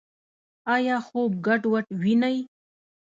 ایا خوب ګډوډ وینئ؟